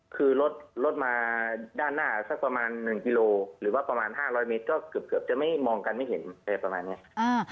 คือรถรถมาด้านหน้าสักประมาณหนึ่งกิโลหรือว่าประมาณห้าร้อยมิตรก็เกือบเกือบจะไม่มองกันไม่เห็นแบบประมาณเนี้ยอ่า